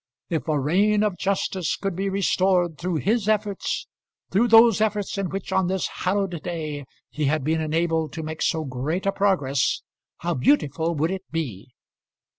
If a reign of justice could be restored through his efforts through those efforts in which on this hallowed day he had been enabled to make so great a progress how beautiful would it be!